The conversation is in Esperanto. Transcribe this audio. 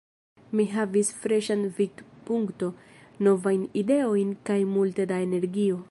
Mi havis freŝan vidpunkton, novajn ideojn kaj multe da energio.